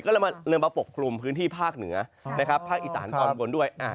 ก็เลยมาเริ่มมาปกคลุมพื้นที่ภาคเหนือนะครับภาคอีสานตอนบนด้วย